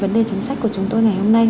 vấn đề chính sách của chúng tôi ngày hôm nay